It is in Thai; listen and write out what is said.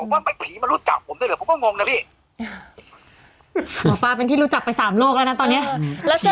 แล้วสรุปเขาจะบ่วนมั้ยคะพี่หมอป้าเขาได้บอกมั้ยคะ